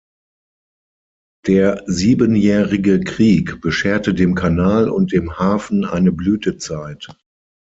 Der Siebenjährige Krieg bescherte dem Kanal und dem Hafen eine Blütezeit.